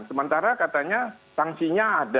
sementara katanya sanksinya ada